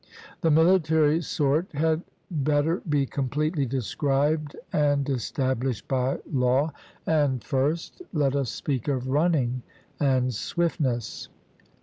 The military sort had better be completely described and established by law; and first, let us speak of running and swiftness.